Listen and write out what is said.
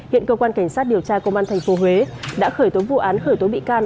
hiện cơ quan cảnh sát điều tra công an tp huế đã khởi tố vụ án khởi tố bị can